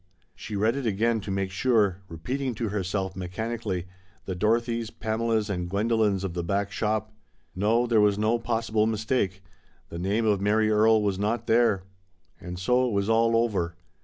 She read it again to make sure, repeating to herself, mechanically, the Dorothys, Pamelas, and Gwendolens of the back shop. No, there was no possible mis take. The name of Mary Erie was not there. And so it was all over